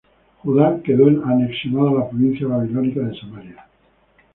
Judá quedó anexionada a la provincia babilónica de Samaria.